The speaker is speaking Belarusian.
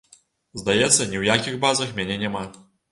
Здаецца, ні ў якіх базах мяне няма.